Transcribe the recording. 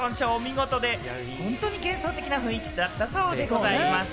本当に幻想的な雰囲気だったそうでございます。